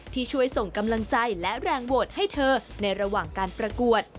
ที่ช่วยส่งกำลังใจและแรงโหวตให้เธอในระหว่างการประกวด